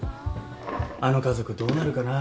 あの家族どうなるかな？